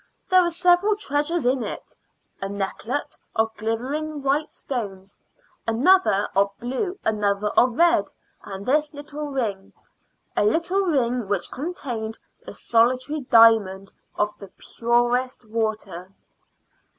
There were several treasures in it: a necklet of glittering white stones, another of blue, another of red, and this little ring a little ring which contained a solitary diamond of the purest water.